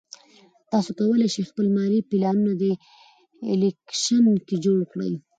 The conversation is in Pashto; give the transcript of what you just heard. تاسو کولای شئ خپل مالي پلانونه په اپلیکیشن کې جوړ کړئ.